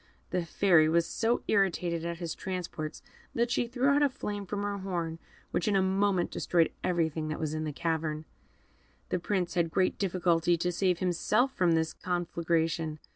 The Fairy was so irritated at his transports, that she threw out a flame from her horn, which in a moment destroyed everything that was in the cavern. The Prince had great difficulty to save himself from this conflagration.